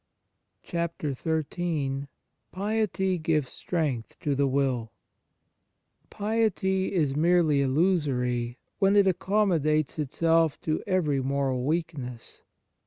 104 The Fruits of Piety XIII PIETY GIVES STRENGTH TO THE WILL PIETY is merely illusory when it accommedates itself to every moral weakness.